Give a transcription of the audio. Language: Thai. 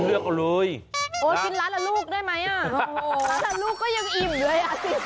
เลือกกันเลย